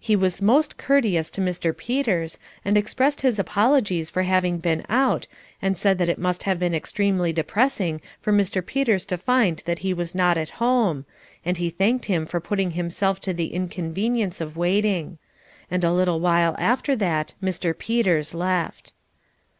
He was most courteous to Mr. Peters and expressed his apologies for having been out and said that it must have been extremely depressing for Mr. Peters to find that he was not at home, and he thanked him for putting himself to the inconvenience of waiting. And a little while after that Mr. Peters left.